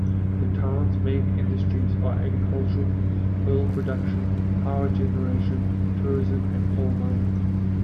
The town's main industries are agriculture, oil production, power generation, tourism, and coal mining.